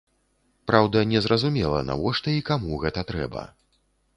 Праўда, незразумела, навошта і каму гэта трэба.